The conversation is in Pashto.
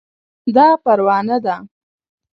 دا پروانه ده